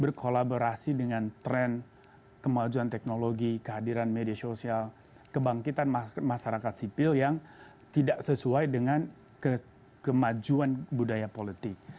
berkolaborasi dengan tren kemajuan teknologi kehadiran media sosial kebangkitan masyarakat sipil yang tidak sesuai dengan kemajuan budaya politik